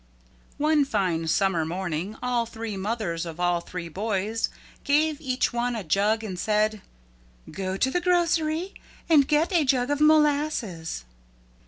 One fine summer morning all three mothers of all three boys gave each one a jug and said, "Go to the grocery and get a jug of molasses."